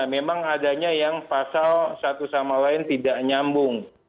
memang adanya yang pasal satu sama lain tidak nyambung